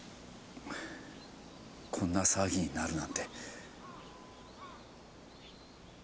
こんな騒ぎになるなんて。